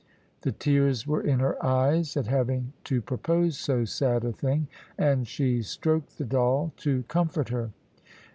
The tears were in her eyes at having to propose so sad a thing. And she stroked the doll, to comfort her.